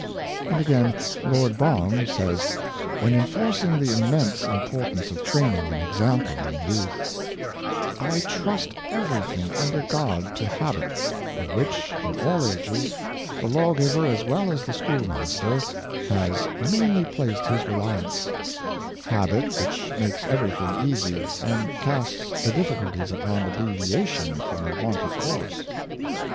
And again. Lord Brougham says, when enforcing the immense importance of training and example in youth, " I trust everything, under God, to habit, on which, in all ages, the lawgiver as well as the schoolmaster, has 606 Guarding Against Evil Habits, mainly placed his reliance; habit, which makes every thing eas}^, and casts the difficulties upon the deviation from a wonted course."